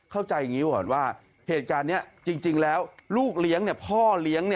เข้าใจอย่างนี้ก่อนว่าเหตุการณ์นี้จริงแล้วลูกเลี้ยงพ่อเลี้ยง